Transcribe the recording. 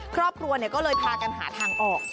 ครอบครัวก็เลยพากันหาทางออก